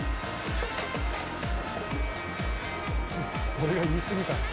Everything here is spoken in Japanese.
俺が言いすぎた。